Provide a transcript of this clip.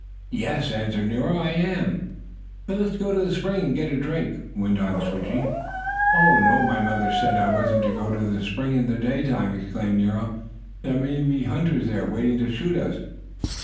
"Yes," answered Nero, "I am." "Then let's go to the spring and get a drink," went on Switchie. "Oh no! My mother said I wasn't to go to the spring in the daytime!" exclaimed Nero. "There may be hunters there, waiting to shoot us."